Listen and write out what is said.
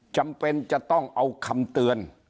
จำเป็นจะต้องเอาคำเตือน